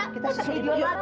kita susul ibu